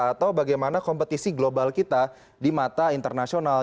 atau bagaimana kompetisi global kita di mata internasional